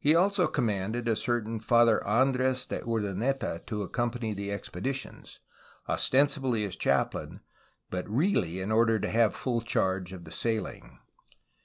He also commanded a certain Father Andres de Urdaneta to accompany the expeditions, ostensibly as chap lain, but really in order to have full charge of the sailing.